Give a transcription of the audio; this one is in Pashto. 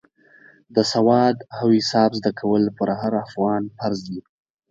د سواد او حساب زده کول پر هر افغان فرض دی.